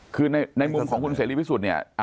คือในมุมของคุณเสรีพิสุทธิ์เนี่ย